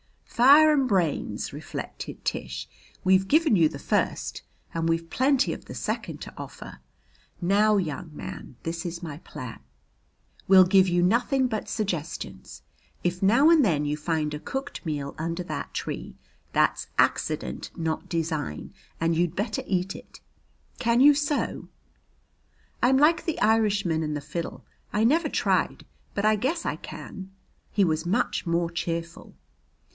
"Fire and brains," reflected Tish. "We've given you the first and we've plenty of the second to offer. Now, young man, this is my plan. We'll give you nothing but suggestions. If now and then you find a cooked meal under that tree, that's accident, not design, and you'd better eat it. Can you sew?" "I'm like the Irishman and the fiddle I never tried, but I guess I can." He was much more cheerful.